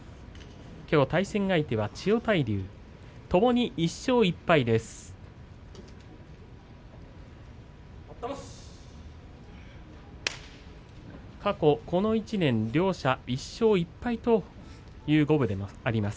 きょう対戦相手は千代大龍ともに１勝１敗です。